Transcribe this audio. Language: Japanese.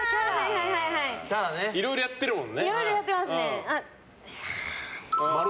いろいろやってますね。